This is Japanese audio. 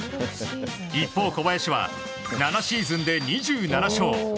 一方、小林は７シーズンで２７勝。